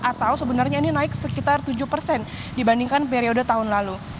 atau sebenarnya ini naik sekitar tujuh persen dibandingkan periode tahun lalu